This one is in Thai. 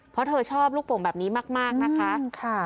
เพราะเธอชอบลูกโป่งแบบนี้มากนะคะ